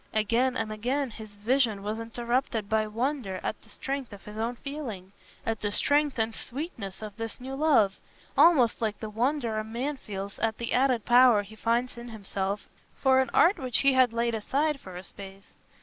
Again and again his vision was interrupted by wonder at the strength of his own feeling, at the strength and sweetness of this new love—almost like the wonder a man feels at the added power he finds in himself for an art which he had laid aside for a space.